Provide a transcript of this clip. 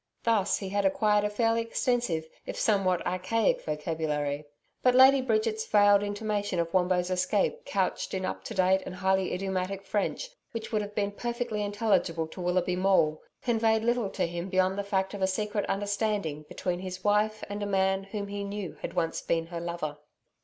Thus he had acquired a fairly extensive if somewhat archaic vocabulary. But Lady Bridget's veiled intimation of Wombo's escape couched in up to date and highly idiomatic French which would have been perfectly intelligible to Willoughby Maule, conveyed little to him beyond the fact of a secret understanding between his wife and a man whom he knew had once been her lover.